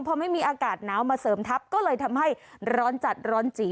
พอไม่มีอากาศหนาวมาเสริมทัพก็เลยทำให้ร้อนจัดร้อนจี